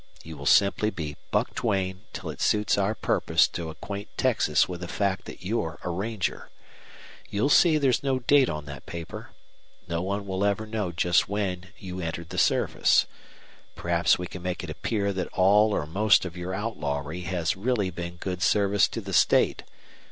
You will simply be Buck Duane till it suits our purpose to acquaint Texas with the fact that you're a ranger. You'll see there's no date on that paper. No one will ever know just when you entered the service. Perhaps we can make it appear that all or most of your outlawry has really been good service to the state.